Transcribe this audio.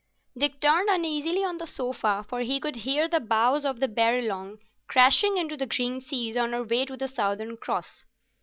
Dick turned uneasily on the sofa, for he could hear the bows of the Barralong crashing into the green seas on her way to the Southern Cross.